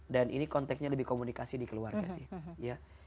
dan ini konteksnya lebih komunikasi di keluarga